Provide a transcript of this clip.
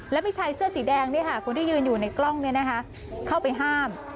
แล้วมีชายเสื้อสีแดงคนที่ยืนอยู่ในกล้องเข้าไปห้าม